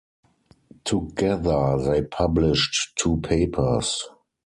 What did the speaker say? Together they published two papers.